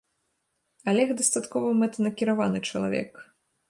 Алег дастаткова мэтанакіраваны чалавек.